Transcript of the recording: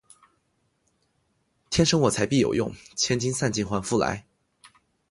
天生我材必有用，千金散尽还复来